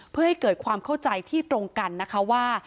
เพื่อให้เกิดความเข้าใจที่ตรงกันนะคะว่า